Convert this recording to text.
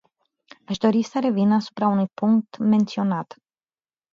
Aș dori să revin asupra unui punct menționat.